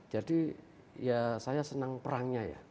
jadi ya saya senang perangnya ya